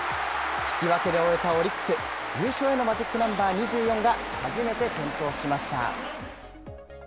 引き分けで終えたオリックス、優勝へのマジックナンバー２４が初めて点灯しました。